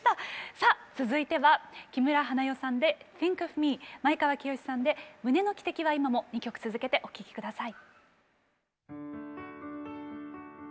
さあ続いては木村花代さんで「ＴｈｉｎｋｏｆＭｅ」前川清さんで「胸の汽笛は今も」２曲続けてお聴き下さい。